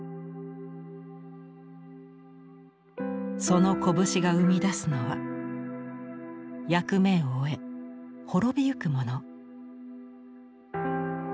その拳が生み出すのは役目を終え滅びゆくモノ。